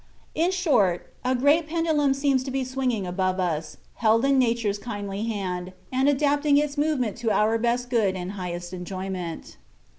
In short, a great pendulum seems to be swinging above us, held in Nature's kindly hand, and adapting its movements to our best good and highest enjoyment.